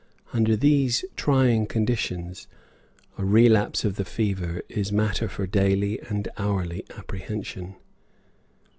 Under these trying conditions, a relapse of the fever is matter for daily and hourly apprehension.